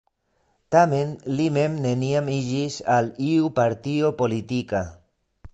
Tamen li mem neniam iĝis al iu partio politika.